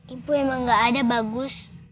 ibu emang gak ada bagus